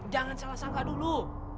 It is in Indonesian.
jangan salah sangka dulu